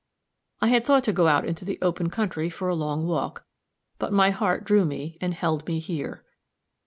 I had thought to go out into the open country for a long walk; but my heart drew me and held me here.